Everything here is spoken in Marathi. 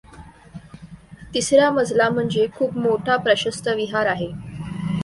तिसरा मजला म्हणजे खूप मोठा प्रशस्त विहार आहे.